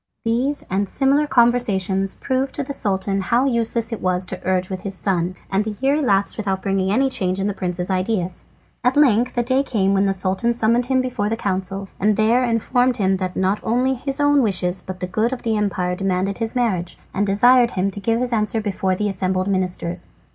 These and similar conversations proved to the Sultan how useless it was to argue with his son, and the year elapsed without bringing any change in the prince's ideas. At length a day came when the Sultan summoned him before the council, and there informed him that not only his own wishes but the good of the empire demanded his marriage, and desired him to give his answer before the assembled ministers.